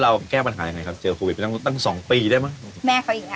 เราแก้ปัญหายังไงเจอโควิดตั้งสองปีได้ไหม